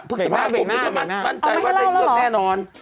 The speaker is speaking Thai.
เผื่อสะพานผมไม่ได้มั่นใจว่าได้เลือกแน่นอน